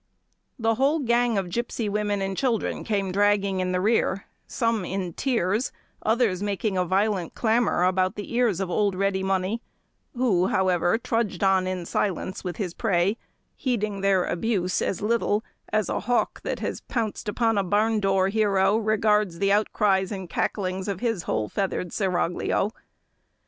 The whole gang of gipsy women and children came draggling in the rear; some in tears, others making a violent clamour about the ears of old Ready Money, who, however, trudged on in silence with his prey, heeding their abuse as little as a hawk that has pounced upon a barn door hero regards the outcries and cacklings of his whole feathered seraglio.